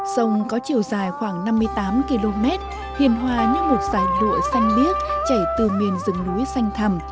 sông có chiều dài khoảng năm mươi tám km hiền hòa như một dài lụa xanh biếc chảy từ miền rừng núi xanh thầm